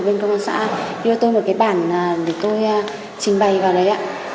bên công an xã đưa tôi một bản để tôi trình bày vào đấy